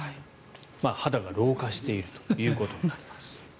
肌が老化しているということになります。